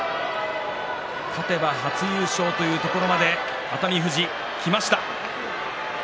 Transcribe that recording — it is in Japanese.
勝てば初優勝というところまで熱海富士はきました。